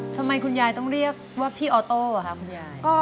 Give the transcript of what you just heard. ทำไมคุณยายต้องเรียกว่าพี่ออโต้อ่ะคะคุณยาย